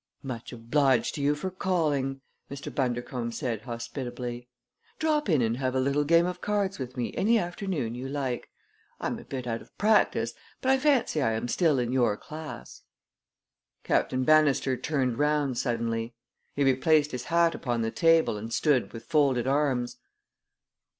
"Much obliged to you for calling," Mr. Bundercombe said hospitably. "Drop in and have a little game of cards with me any afternoon you like. I am a bit out of practice, but I fancy I am still in your class." Captain Bannister turned round suddenly. He replaced his hat upon the table and stood with folded arms.